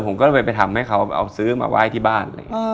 ผมก็เลยไปทำให้เขาเอาซื้อมาไหว้ที่บ้าน